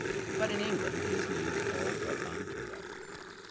But in England his name is all but unheard of.